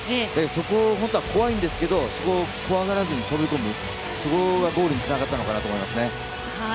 そこを思ったら怖いんですけど怖がらずに飛び込む、そこがゴールにつながったと思います。